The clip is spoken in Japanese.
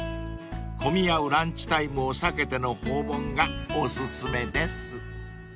［混み合うランチタイムを避けての訪問がお薦めです］